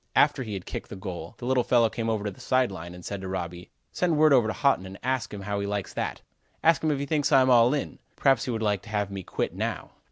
After he had kicked the goal, the little fellow came over to the side line, and said to Robby: "Send word over to Haughton and ask him how he likes that. Ask him if he thinks I'm all in? Perhaps he would like to have me quit now."